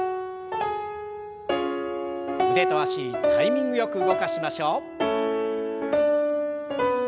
腕と脚タイミングよく動かしましょう。